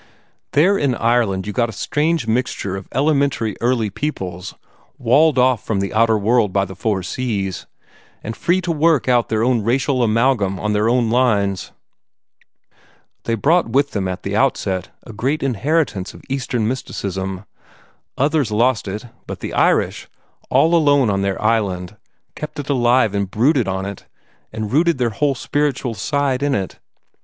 There in Ireland you got a strange mixture of elementary early peoples, walled off from the outer world by the four seas, and free to work out their own racial amalgam on their own lines. They brought with them at the outset a great inheritance of Eastern mysticism. Others lost it, but the Irish, all alone on their island, kept it alive and brooded on it, and rooted their whole spiritual side in it.